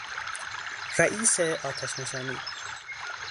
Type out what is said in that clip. رئیس آتشنشانی